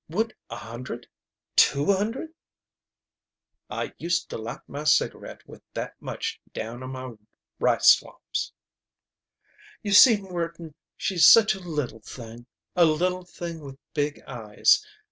Would a hundred two hundred " "I used to light my cigarette with that much down on my rice swamps " "You see, Morton, she's such a little thing. A little thing with big eyes.